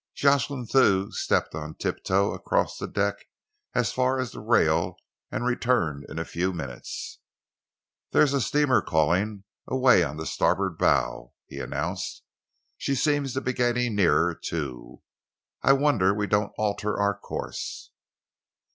Jocelyn Thew stepped on tiptoe across the deck as far as the rail and returned in a few minutes. "There's a steamer calling, away on the starboard bow," he announced. "She seems to be getting nearer, too. I wonder we don't alter our course."